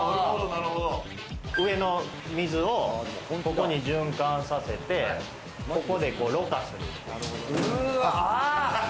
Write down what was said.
上の水をここに循環させて、ここでろ過する。